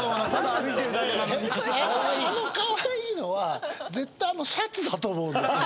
あのカワイイのは絶対あのシャツだと思うんですよね。